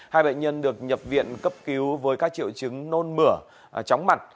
hai bệnh nhân được nhập viện cấp cứu với các triệu chứng nôn mửa chóng mặt